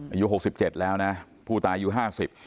อายุ๖๗แล้วนะผู้ตายอายุ๕๐